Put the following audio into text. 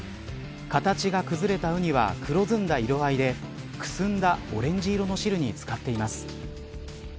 形が崩れたウニは黒ずんだ色合いでくすんだオレンジ色の汁につかっています。